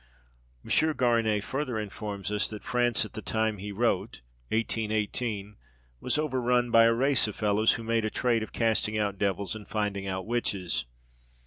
M. Garinet further informs us that France, at the time he wrote (1818), was overrun by a race of fellows who made a trade of casting out devils and finding out witches.